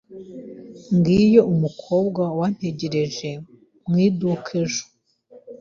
Ngiyo umukobwa wantegereje mu iduka ejo.